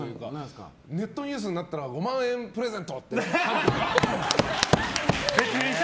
ネットニュースになったら５万円プレゼントって。